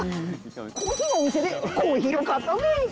コーヒーのお店でコーヒーを買ったぜぇ！